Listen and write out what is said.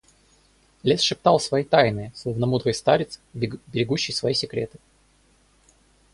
Лес шептал свои тайны, словно мудрый старец, берегущий свои секреты.